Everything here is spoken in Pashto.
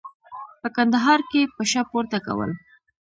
په کندهار کې پشه پورته کول.